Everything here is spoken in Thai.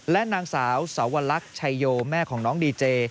และนางสาวสาววัลลักษณ์ชัยโยแม่ของน้องดีเจ